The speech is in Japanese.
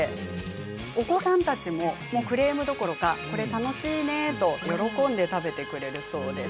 お子さんたちもクレームどころかこれ楽しいね、と喜んで食べてくれるそうです。